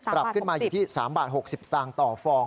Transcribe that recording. ปรับขึ้นมาอยู่ที่๓บาท๖๐สตางค์ต่อฟอง